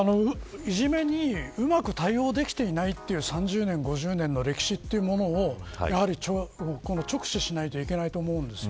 いじめにうまく対応できていないという、３０年、５０年の歴史というものをやはり直視しないといけないと思うんです。